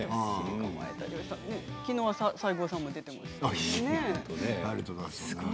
きのうは西郷さんも出てきましたしね。